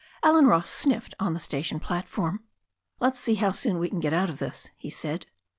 Allen Ross sniffed on the station platform. "Let's see how soon we can get out of this," he said.